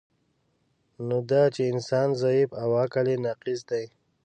نو دا چی انسان ضعیف او عقل یی ناقص دی